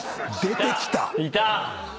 出てきた。